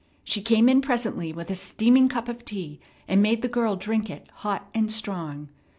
She came in presently with a steaming cup of tea, and made the girl drink it hot and strong.